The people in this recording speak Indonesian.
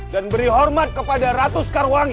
dan beri hormat kepada ratu sekarwangi